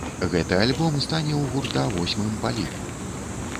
Гэты альбом стане ў гурта восьмым па ліку.